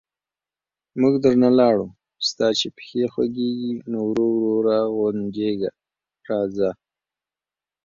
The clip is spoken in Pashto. موږ درنه لاړو، ستا چې پښې خوګېږي، نو ورو ورو را غونجېږه راځه...